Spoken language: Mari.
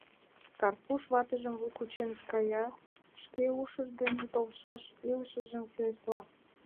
Карпуш ватыжым кучен кая, шке ушыж дене толшаш илышыжым сӱретла...